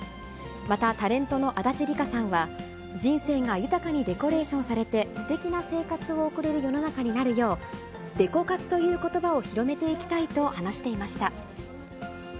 またタレントの足立梨花さんは、人生が豊かにデコレーションされて、すてきな生活を送れる世の中になるよう、デコ活ということばを広めていきたいと話していました。